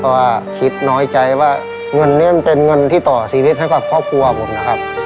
ก็คิดน้อยใจว่าเงินนี้มันเป็นเงินที่ต่อชีวิตให้กับครอบครัวผมนะครับ